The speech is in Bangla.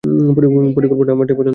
পরিকল্পনাটি আমার পছন্দ হয়েছে।